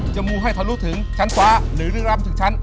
จะมูให้ท้อนรู้ถึงชั้นฟ้าหรือเรื่องราวมันถึงชั้น